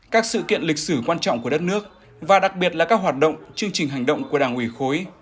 các sự kiện lịch sử quan trọng của đất nước và đặc biệt là các hoạt động chương trình hành động của đảng ủy khối